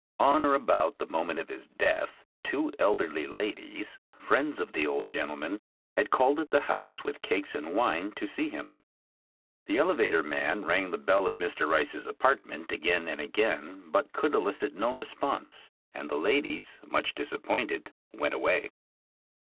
On or about the moment of his death, two elderly ladies, friends of the old gentleman, had called at the house with cakes and wine, to see him. The elevator man rang the bell of Mr. Rice's apartment again and again, but could elicit no response, and the ladies, much disappointed, went away.